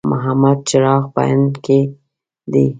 محمد چراغ په هند کې دی.